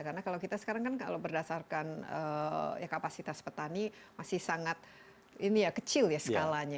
karena kalau kita sekarang kan kalau berdasarkan kapasitas petani masih sangat ini ya kecil ya skalanya